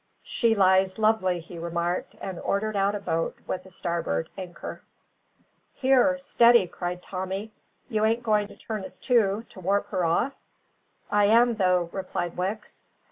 "She lies lovely," he remarked, and ordered out a boat with the starboard anchor. "Here! steady!" cried Tommy. "You ain't going to turn us to, to warp her off?" "I am though," replied Wicks.